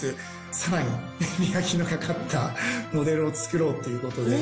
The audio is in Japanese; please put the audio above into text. さらに磨きのかかったモデルを作ろうっていうことで。